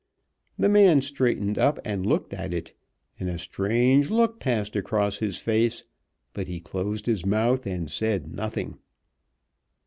The man straightened up and looked at it, and a strange look passed across his face, but he closed his mouth and said nothing.